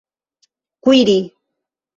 kuiri